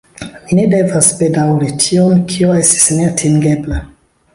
Ni ne devas bedaŭri tion, kio estis neatingebla.